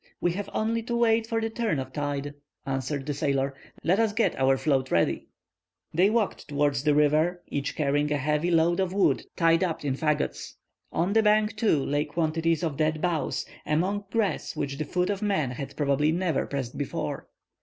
"We have only to wait for the turn of tide," answered the sailor. "Let us get our float ready." They walked towards the river, each carrying a heavy load of wood tied up in fagots. On the bank, too, lay quantities of dead boughs, among grass which the foot of man had probably never pressed before.